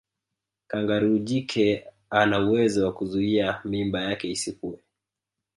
Kangaroo jike anauwezo wa kuzuia mimba yake isikue